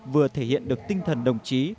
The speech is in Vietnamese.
vừa thể hiện được tinh thần đồng chí